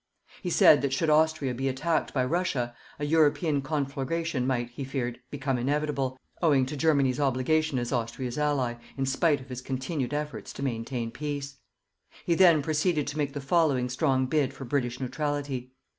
He said that should Austria be attacked by Russia a European conflagration might, he feared, become inevitable, owing to Germany's obligation as Austria's ally, in spite of his continued efforts to maintain peace. He then proceeded to make the following strong bid for British neutrality.